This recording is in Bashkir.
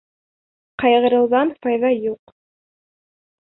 Ҡайғырыуҙан файҙа юҡ.